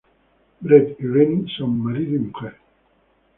Brett y Rennie son marido y mujer.